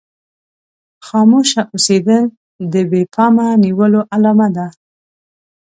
خاموشه اوسېدل د بې پامه نيولو علامه ده.